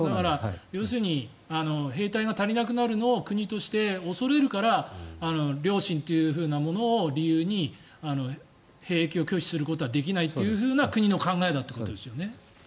要するに兵隊が足りなくなるのを国として恐れるから良心というものを理由に兵役を拒否することはできないという国の考えだということですね。